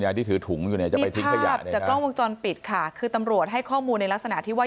มีภาพจากกล้องวงจรปิดค่ะคือตำรวจให้ข้อมูลในลักษณะที่ว่า